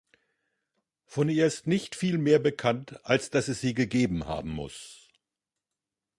Von ihr ist nicht viel mehr bekannt, als dass es sie gegeben haben muss.